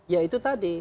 ya itu tadi